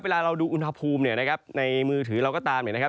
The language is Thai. เวลาเราดูอุณหภูมิเนี่ยนะครับในมือถือเราก็ตามเนี่ยนะครับ